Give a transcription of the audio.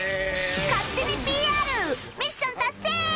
勝手に ＰＲ ミッション達成！